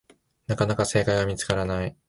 なかなか正解が見つからない